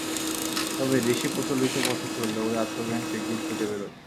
তবে ঋষিপ্রচলিত পথে চললে ঐ আত্মজ্ঞান শীগগীর ফুটে বেরোয়।